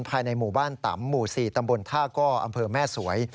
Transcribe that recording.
ภายในหมู่บ้านตำหมู่๔ตำบลท่าก้ออำเภอแม่สวย